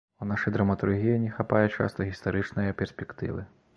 У нашай драматургіі не хапае часта гістарычнае перспектывы.